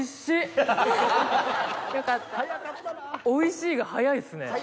おいしいが早いっすね。